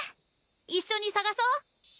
一緒に探そう